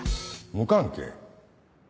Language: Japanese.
無関係？